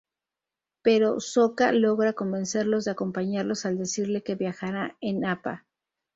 Pero Sokka logra convencerlos de acompañarlos al decirle que viajará en Appa.